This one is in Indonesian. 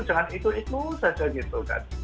jangan itu itu saja gitu kan